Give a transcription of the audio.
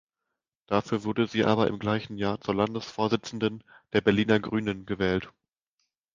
Dafür wurde sie aber im gleichen Jahr zur Landesvorsitzenden der Berliner Grünen gewählt.